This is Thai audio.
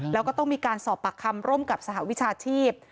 แล้วก็ต้องมีการสอบปากคำร่วมกับสหวิชาชีพ